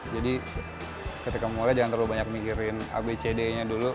jadi ketika mulai jangan terlalu banyak mikirin abcd nya dulu